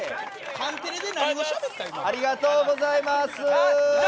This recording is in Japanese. カンテレで何をしゃべったらええねん。